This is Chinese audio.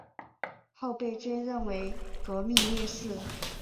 后被追认为革命烈士。